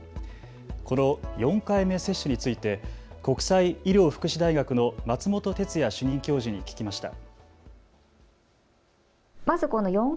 この４回目接種について国際医療福祉大学の松本哲哉主任教授に聞きました。